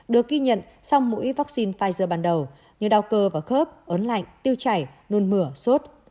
được ghi nhận sau mũi vắc xin pfizer ban đầu như đau cơ và khớp ớn lạnh tiêu chảy nôn mửa sốt